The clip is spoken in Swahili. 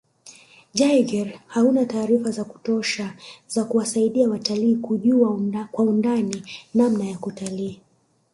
Jaeger hauna taarifa za kutosha za kuwasaidia watalii kujua kwa undani namna ya kutalii